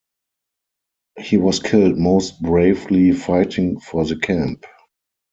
He was killed most bravely fighting for the camp.